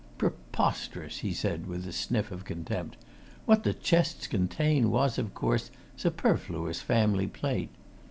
"Preposterous!" said he, with a sniff of contempt. "What the chests contained was, of course, superfluous family plate.